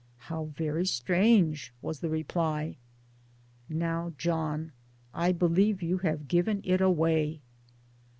" How very strange " was the reply. " Now, John, I believe you have given it away